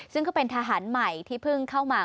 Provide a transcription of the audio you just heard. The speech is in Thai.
ซึ่งก็เป็นทหารใหม่ที่เพิ่งเข้ามา